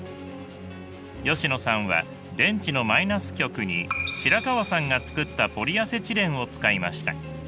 吉野さんは電池のマイナス極に白川さんが作ったポリアセチレンを使いました。